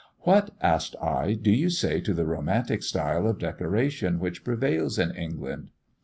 "What," asked I, "do you say to the romantic style of decoration which prevails in England?"